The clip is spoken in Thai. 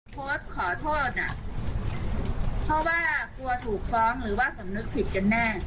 โพสต์ขอโทษอ่ะเพราะว่ากลัวถูกฟ้องหรือว่าสำนึกผิดกันแน่